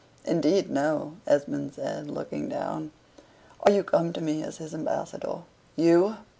"Indeed, no," Esmond said, looking down. "Are you come to me as his ambassador YOU?"